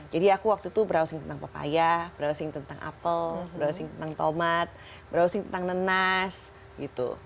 jadi aku waktu itu browsing tentang papaya browsing tentang apel browsing tentang tomat browsing tentang nenas gitu